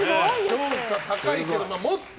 評価高いけど、もっと。